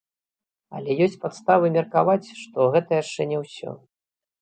Але ёсць падставы меркаваць, што гэта яшчэ не ўсё.